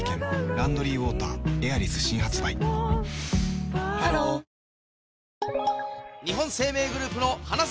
「ランドリーウォーターエアリス」新発売ハロー「ヴィセ」